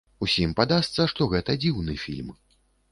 Усім падасца, што гэта дзіўны фільм.